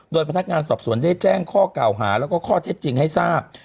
โดยพนักงานสอบสวนได้แจ้งข้อกล่าวหาแล้วก็ข้อเท็จจริงให้ทราบ